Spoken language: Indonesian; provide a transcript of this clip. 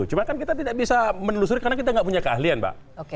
cuma kan kita tidak bisa menelusuri karena kita nggak punya keahlian pak